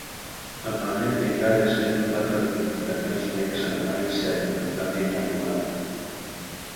Normalmente engádense os datos das precipitacións medias anuais e a temperatura media anual.